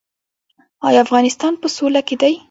آیا افغانستان په سوله کې دی؟